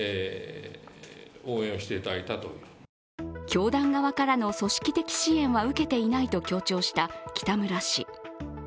教団側からの組織的支援は受けていないと強調した北村氏。